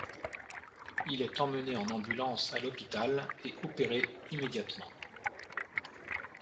Il est emmené en ambulance à l'hôpital et opéré immédiatement.